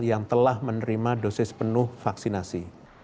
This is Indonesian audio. yang telah menerima dosis penuh vaksinasi